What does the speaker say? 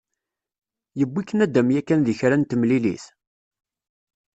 Yewwi-k nadam yakan deg kra n temlilit?